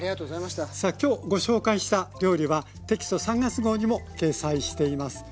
今日ご紹介した料理はテキスト３月号にも掲載しています。